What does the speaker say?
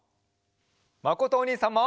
まことおにいさんも！